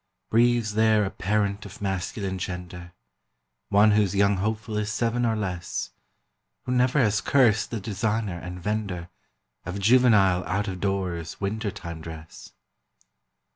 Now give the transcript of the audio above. Breathes there a parent of masculine gender, One whose young hopeful is seven or less, Who never has cursed the designer and vender Of juvenile out of doors winter time dress?